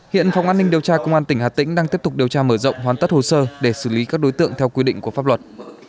hiện phòng an ninh điều tra công an tỉnh hà tĩnh đang tiếp tục điều tra mở rộng hoàn tất hồ sơ để xử lý các đối tượng theo quy định của pháp luật